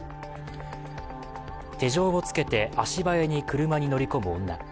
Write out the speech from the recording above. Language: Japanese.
手錠をつけて足早に車に乗り込む女。